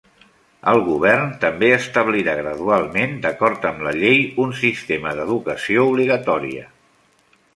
El govern també establirà gradualment, d'acord amb la llei, un sistema d'educació obligatòria.